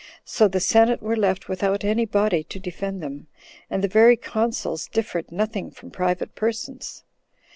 So the senate were left without any body to defend them, and the very consuls differed nothing from private persons.